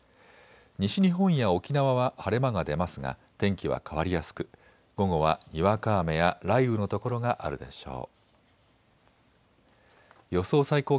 西日本や沖縄は晴れ間が出ますが天気は変わりやすく午後はにわか雨や雷雨の所があるでしょう。